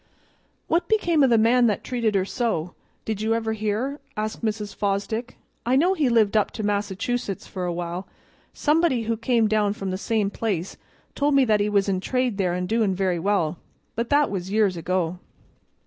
"What became o' the man that treated her so, did you ever hear?" asked Mrs. Fosdick. "I know he lived up to Massachusetts for a while. Somebody who came from the same place told me that he was in trade there an' doin' very well, but that was years ago."